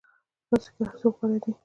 په تاسو کې هغه څوک غوره دی.